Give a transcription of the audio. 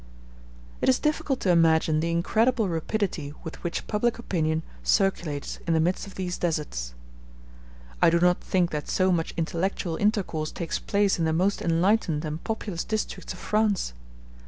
It is difficult to imagine the incredible rapidity with which public opinion circulates in the midst of these deserts. *j I do not think that so much intellectual intercourse takes place in the most enlightened and populous districts of France.